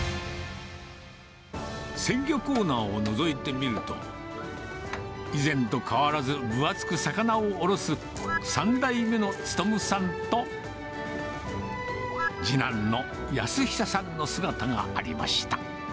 鮮魚コーナーをのぞいてみると、以前と変わらず、分厚く魚をおろす、３代目の力さんと、次男の安久さんの姿がありました。